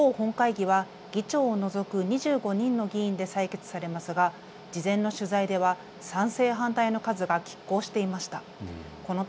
一方、本会議は議長を除く２５人の議員で採決されますが事前の取材では賛成、反対の数がきっ抗していました。